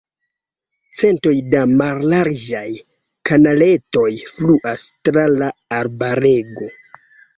Centoj da mallarĝaj kanaletoj fluas tra la arbarego.